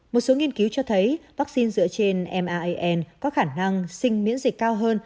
một số nghiên cứu cho thấy vaccine dựa trên maan có khả năng sinh miễn dịch cao hơn